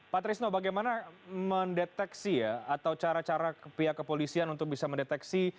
pak trisno bagaimana mendeteksi ya atau cara cara pihak kepolisian untuk bisa mendeteksi